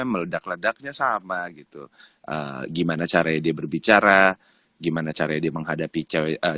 meledak ledaknya sama gitu gimana caranya dia berbicara gimana caranya dia menghadapi cewek